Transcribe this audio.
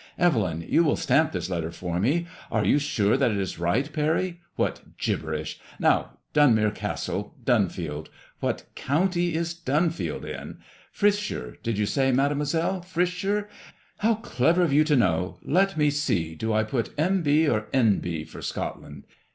Evelyn, you will stamp this letter for me. Are you sure that is right. Parry? What gibberish! Now, Dunmere Castle, Dunfeld What county is Dunfeld in? i 86 MADXMOISELIJE IXK. Prithshire, did you say. Made moiselle? How clever of you to know I Let me see, do I put M.B. or N.B. for Scotland